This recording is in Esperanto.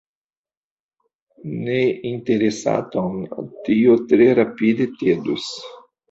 Neinteresaton tio tre rapide tedus.